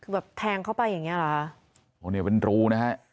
คือแบบแทงเข้าไปอย่างเงี้เหรอคะโอ้เนี่ยเป็นรูนะฮะ